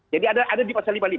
jadi ada di pasal lima puluh lima